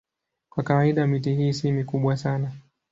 Kwa kawaida miti hii si mikubwa sana.